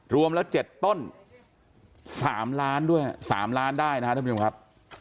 รวมละเจ็ดต้นสามล้านด้วยสามล้านได้นะฮะท่านผู้ชมครับ